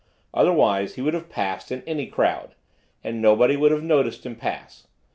Otherwise he would have passed in any crowd, and nobody would have noticed him pass.